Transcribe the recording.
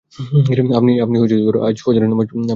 আপনি আজ ফজরের নামাজ পড়েছেন?